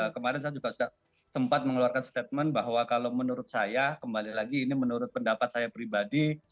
kemarin saya juga sempat mengeluarkan statement bahwa kalau menurut saya kembali lagi ini menurut pendapat saya pribadi